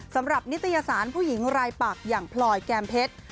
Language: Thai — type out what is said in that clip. นิตยสารผู้หญิงรายปักอย่างพลอยแก้มเพชร